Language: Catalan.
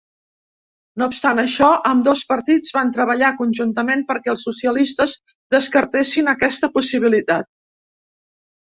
No obstant això, ambdós partits van treballar conjuntament perquè els socialistes descartessin aquesta possibilitat.